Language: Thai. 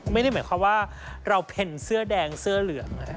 ไม่ได้หมายความว่าเราเพ่นเสื้อแดงเสื้อเหลือง